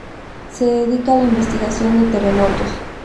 Se dedica a la investigación de terremotos.